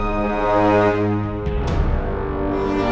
belum maul laughing